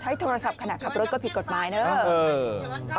โทรศัพท์ขณะขับรถก็ผิดกฎหมายเนอะ